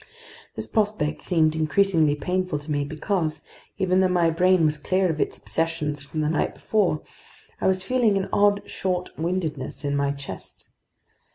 This prospect seemed increasingly painful to me because, even though my brain was clear of its obsessions from the night before, I was feeling an odd short windedness in my chest.